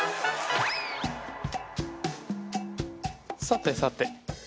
さてさて。